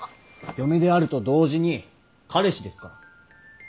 嫁であると同時に彼氏ですから。